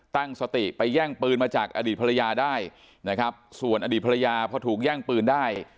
ตั้งสติไปแย่งปืนมาจากอดีตภรรยาได้นะครับส่วนอดีตภรรยาพอถูกแย่งปืนได้